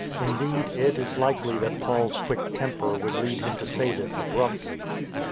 Indeed, it is likely that Paul's quick temper would lead him to say this abruptly.